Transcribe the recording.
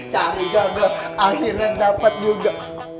cari joget akhirnya dapat juga